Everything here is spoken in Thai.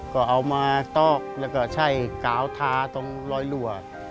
ก็เอามาตอกแล้วก็ใช่กาวทาตรงรอยรั่ว